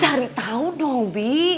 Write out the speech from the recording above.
cari tahu dong bi